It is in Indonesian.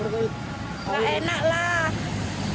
nggak enak lah